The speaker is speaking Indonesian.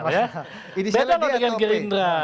beda dengan gerindra